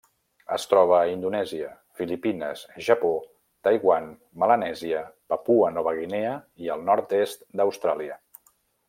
Es troba a Indonèsia, Filipines, Japó, Taiwan, Melanèsia, Papua Nova Guinea i el nord-est d'Austràlia.